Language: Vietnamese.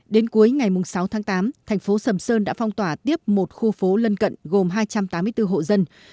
đến cuối ngày sáu tháng tám thành phố sầm sơn đã phong tỏa tiếp một khu phố lân cận gồm hai trăm tám mươi bốn hộ dân